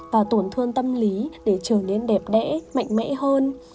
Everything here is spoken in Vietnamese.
và tổn thương tâm lý để trở nên đẹp đẽ mạnh mẽ hơn